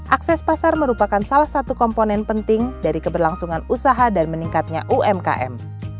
akses pasar merupakan salah satu komponen penting dari keberlangsungan usaha dan meningkatnya umkm